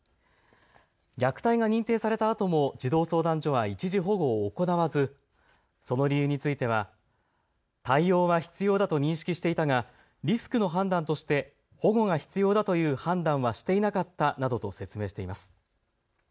虐待が認定されたあとも児童相談所は一時保護を行わずその理由については対応は必要だと認識していたがリスクの判断として保護が必要だという判断はしていなかったなどと説明しています。